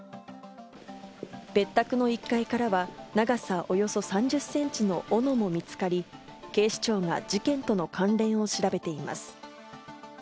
別宅の１階からは長さおよそ３０センチのオノも見つかり、警視庁が事件との関連を調べています。